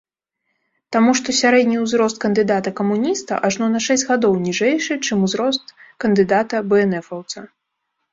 Таму што сярэдні ўзрост кандыдата-камуніста ажно на шэсць гадоў ніжэйшы, чым узрост кандыдата-бээнэфаўца.